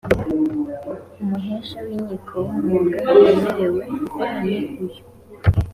umuhesha w’inkiko w’umwuga wemerewe gukora ni uyu